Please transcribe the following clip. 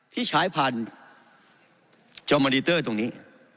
ที่ใช้ผ่านจอมอนิเตอร์ตรงนี้